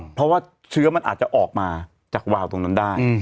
เพราะว่าเชื้อมันอาจจะออกมาจากวาวตรงนั้นได้